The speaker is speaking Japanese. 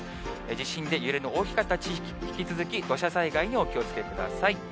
地震で揺れの大きかった地域、引き続き土砂災害にお気をつけください。